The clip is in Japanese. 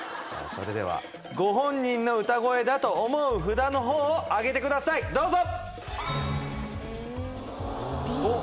それではご本人の歌声だと思う札の方をあげてくださいどうぞ！